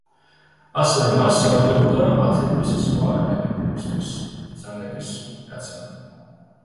ასევე, მას ევალებოდა ათეულის სხვა ელემენტებისთვის ბრძანების გადაცემა.